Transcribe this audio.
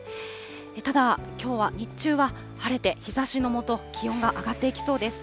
ただ、きょうは日中は晴れて、日ざしの下、気温が上がっていきそうです。